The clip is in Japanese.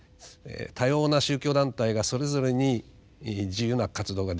多様な宗教団体がそれぞれに自由な活動ができる。